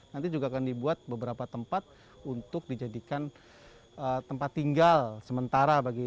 nanti juga akan dibuat beberapa tempat untuk dijadikan tempat tinggal sementara bagi